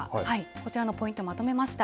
こちらのポイントまとめました。